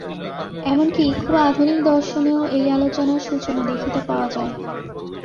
এমন কি, খুব আধুনিক দর্শনেও এই আলোচনার সূচনা দেখিতে পাওয়া যায়।